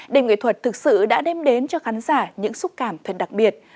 đêm nghệ thuật thực sự đã đem đến cho khán giả những xúc cảm thật đặc biệt